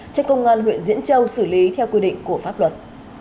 cho công an huyện diễn châu xử lý theo quy định của pháp luật